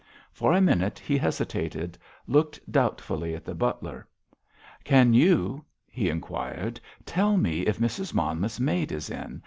For a minute he hesitated, looking doubtfully at the butler. "Can you," he inquired, "tell me if Mrs. Monmouth's maid is in.